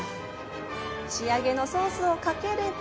仕上げのソースをかければ。